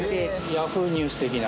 Ｙａｈｏｏ！ニュース的な。